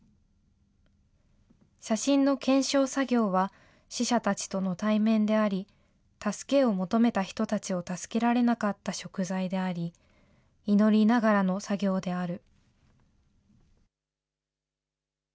写真の検証作業は、使者たちとの対面であり、助けを求めた人たちを助けられなかったしょく罪であり、祈りながらの作業である。